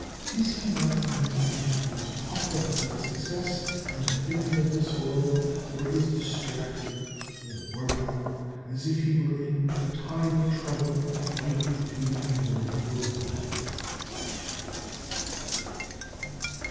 Is he not then a fool who is puffed up with success in the things of this world, or is distracted, or worried, as if he were in a time of trouble likely to endure for long.